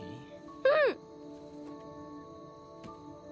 うん！